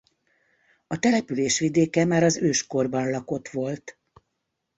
A település vidéke már az őskorban lakott volt.